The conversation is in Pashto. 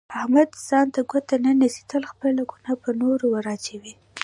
احمد ځان ته ګوته نه نیسي، تل خپله ګناه په نورو ور اچوي.